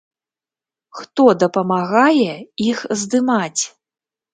Хто дапамагае іх здымаць?